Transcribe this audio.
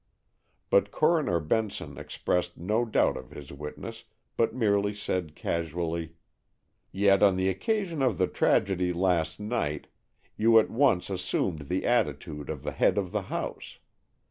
But Coroner Benson expressed no doubt of his witness, but merely said casually: "Yet, on the occasion of the tragedy last night, you at once assumed the attitude of the head of the house.